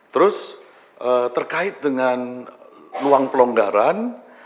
terus terkait dengan ruang pelonggaran